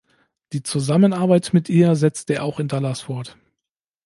Die Zusammenarbeit mit ihr setzte er auch in Dallas fort.